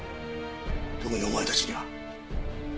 特にお前たちには。